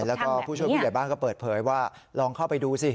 แล้วก็ผู้ช่วยผู้ใหญ่บ้านก็เปิดเผยว่าลองเข้าไปดูสิ